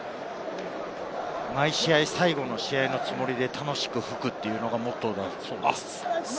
毎試合、最後の試合のつもりで楽しく吹くというのがモットーだそうです。